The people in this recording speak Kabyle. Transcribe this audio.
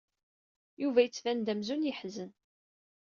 Yuba yettban-d amzun yeḥzen.